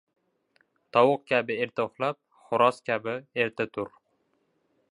• Tovuq kabi erta uxlab, xo‘roz kabi erta tur.